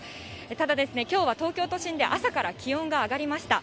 ただ、きょうは東京都心で朝から気温が上がりました。